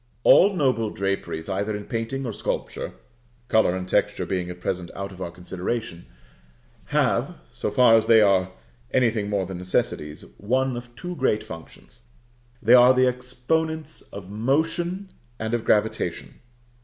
All noble draperies, either in painting or sculpture (color and texture being at present out of our consideration), have, so far as they are anything more than necessities, one of two great functions; they are the exponents of motion and of gravitation.